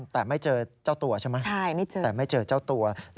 แต่ไม่เจอเจ้าตัวใช่ไหมคะแต่ไม่เจอเจ้าตัวใช่ไม่เจอ